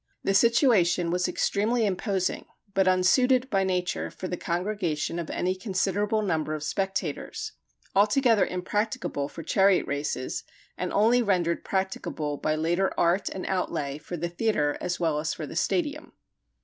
The situation was extremely imposing, but unsuited by nature for the congregation of any considerable number of spectators; altogether impracticable for chariot races; and only rendered practicable by later art and outlay for the theatre as well as for the stadium.